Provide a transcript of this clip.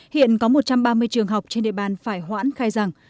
hiện có một trăm ba mươi trường học trên địa bàn phải hoãn khai giảng